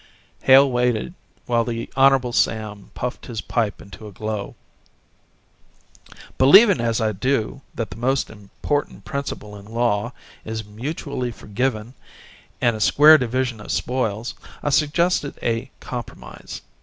Hale waited while the Hon. Sam puffed his pipe into a glow: "Believin', as I do, that the most important principle in law is mutually forgivin' and a square division o' spoils, I suggested a compromise.